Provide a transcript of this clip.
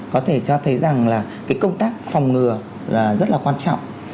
có thể cho thấy rằng là cái công tác phòng ngừa là rất là quan trọng